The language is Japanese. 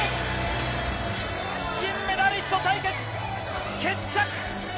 金メダリスト対決、決着。